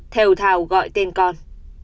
thèo thào gọi tên con